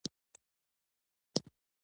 ، کومندان يې پيسې شمېرلې.